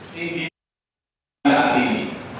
tinggi pandemi covid sembilan belas